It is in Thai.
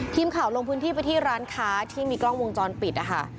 ทีมข่าวลงพื้นที่ไปที่ร้านค้าที่มีกล้องวงจรปิดนะคะ